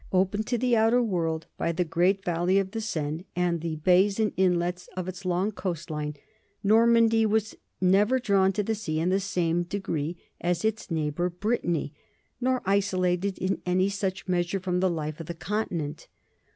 Open to the outer world by the great valley of the Seine and the bays and inlets of its long coast line, Normandy was never drawn to the sea in the same degree as its neigh bor Brittany, nor isolated in any such measure from the life of the Continent.